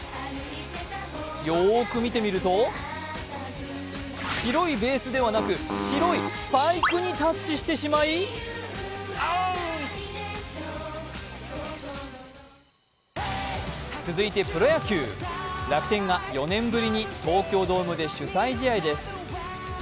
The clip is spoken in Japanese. よーく見てみると白いベースではなく白いスパイクにタッチしてしまい続いてプロ野球、楽天が４年ぶりに東京ドームで主催試合です。